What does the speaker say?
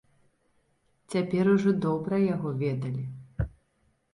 Цяпер ужо добра яго ведалі.